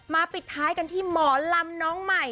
ปิดท้ายกันที่หมอลำน้องใหม่